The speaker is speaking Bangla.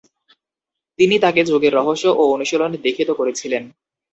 তিনি তাঁকে যোগের রহস্য ও অনুশীলনে দীক্ষিত করেছিলেন।